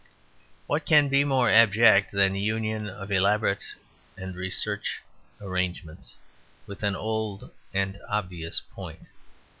What can be more abject than the union of elaborate and recherche arrangements with an old and obvious point?